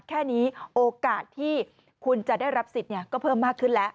แค่นี้โอกาสที่คุณจะได้รับสิทธิ์ก็เพิ่มมากขึ้นแล้ว